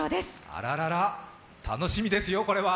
あららら、楽しみですよ、これは！